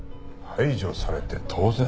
排除されて当然？